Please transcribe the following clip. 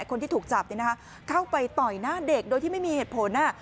คนที่ถูกจับเข้าไปต่อยหน้าเด็กโดยที่ไม่มีเหตุผล